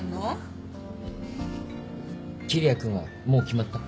桐矢君はもう決まった？